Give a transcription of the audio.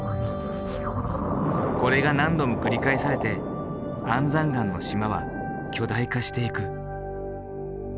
これが何度も繰り返されて安山岩の島は巨大化していく。